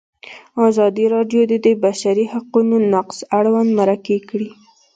ازادي راډیو د د بشري حقونو نقض اړوند مرکې کړي.